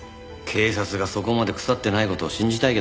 警察がそこまで腐ってない事を信じたいけどな。